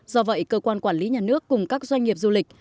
do vậy cơ quan quản lý nhà nước cùng các doanh nghiệp du lịch